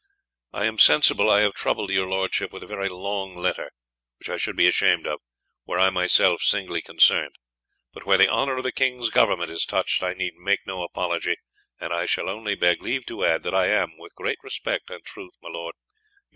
"I am sensible I have troubled your Lordship with a very long letter, which I should be ashamed of, were I myself singly concerned; but where the honour of the King's Government is touched, I need make no apologie, and I shall only beg leave to add, that I am, with great respect, and truth, "My Lord, "yr.